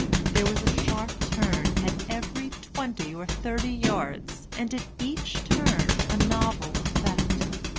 There was a sharp turn at every twenty or thirty yards, and at each turn a novel effect.